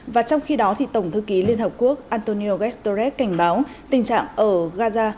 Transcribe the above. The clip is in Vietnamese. và trong khi đó thì tổng thư ký liên hợp quốc antonio ghezdorek cảnh báo tình trạng ở gaza